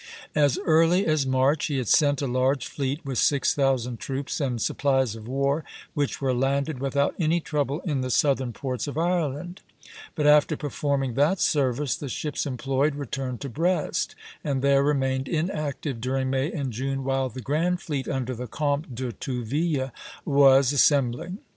As early as March he had sent a large fleet with six thousand troops and supplies of war, which were landed without any trouble in the southern ports of Ireland; but after performing that service, the ships employed returned to Brest, and there remained inactive during May and June while the grand fleet under the Comte de Tourville was assembling.